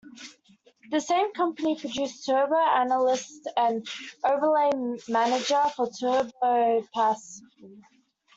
The same company produced Turbo Analyst and Overlay Manager for Turbo Pascal.